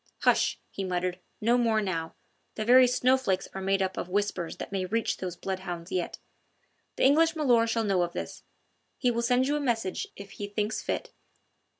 "Hush!" he muttered, "no more now. The very snowflakes are made up of whispers that may reach those bloodhounds yet. The English milor' shall know of this. He will send you a message if he thinks fit."